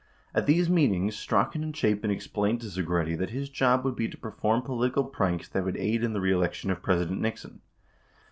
At these meetings, Strachan and Chapin explained to Segretti that his job would be to perform political pranks that would aid in the reelection of President Nixon.